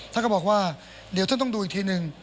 ท่านก็บอกว่าเดี๋ยวท่านต้องดูอีกทีนึง